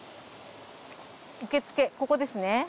受付ここですね。